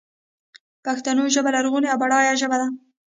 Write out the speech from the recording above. پښتو ژبه لرغونۍ او بډایه ژبه ده.